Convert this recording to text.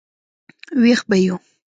وېښ به یو.